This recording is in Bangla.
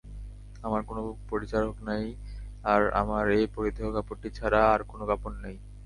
আমার কোন পরিচারক নেই আর আমার এই পরিধেয় কাপড়টি ছাড়া আর কোন কাপড় নেই।